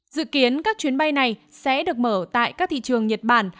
dự kiến các chuyến bay này sẽ được mở tại các thị trường nhật bản